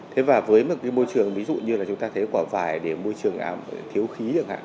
thế và với một cái môi trường ví dụ như là chúng ta thấy quả vải để môi trường ảo thiếu khí chẳng hạn